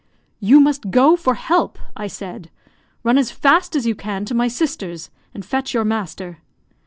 "You must go for help," I said. "Run as fast as you can to my sister's, and fetch your master."